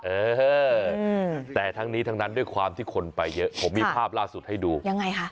เออแต่ทั้งนี้ทั้งนั้นด้วยความที่คนไปเยอะผมมีภาพล่าสุดให้ดูยังไงคะ